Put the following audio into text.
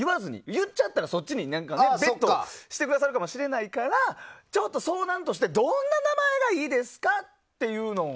言っちゃったらそっちにベットしてくださるかもしれないから相談としてどんな名前がいいですかっていうのを。